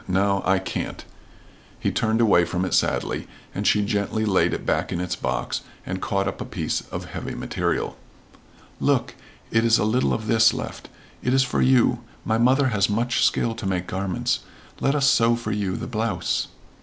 No, I can't." He turned away from it sadly, and she gently laid it back in its box, and caught up a piece of heavy material. "Look. It is a little of this left. It is for you. My mother has much skill to make garments. Let us sew for you the blouse."